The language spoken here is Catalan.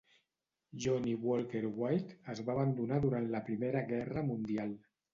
"Johnnie Walker White" es va abandonar durant la primera guerra mundial.